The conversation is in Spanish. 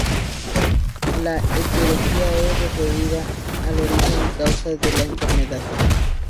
La etiología es referida al origen o causa de la enfermedad.